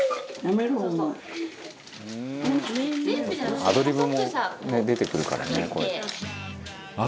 「アドリブもね出てくるからねこうやって」